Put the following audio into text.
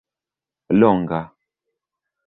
longa